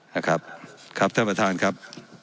ท่านประธานครับ